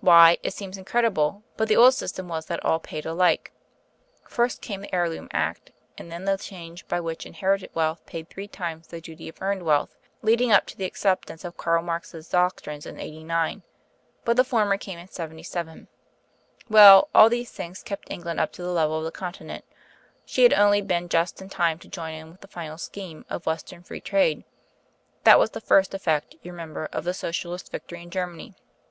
"Why, it seems incredible, but the old system was that all paid alike. First came the Heirloom Act, and then the change by which inherited wealth paid three times the duty of earned wealth, leading up to the acceptance of Karl Marx's doctrines in '89 but the former came in '77.... Well, all these things kept England up to the level of the Continent; she had only been just in time to join in with the final scheme of Western Free Trade. That was the first effect, you remember, of the Socialists' victory in Germany."